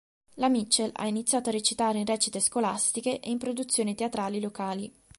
La Mitchell ha iniziato a recitare in recite scolastiche e in produzioni teatrali locali.